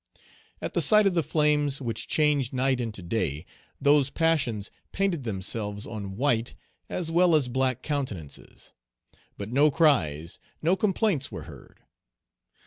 At the sight of the flames, which changed night into day, those passions painted themselves on white as well as black countenances. But no cries, no complaints were heard.